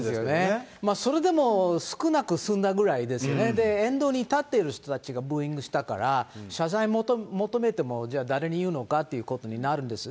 それでも少なく済んだぐらいですね、沿道に立っている人たちがブーイングしたから、謝罪求めても、じゃあ誰に言うのかっていうことになるんです。